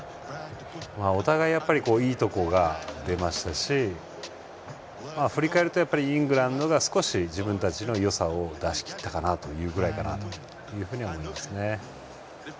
お互い、いいところが出ましたし振り返ると、イングランドが少し自分たちのよさを出しきったかなというぐらいかなというふうに思いますね。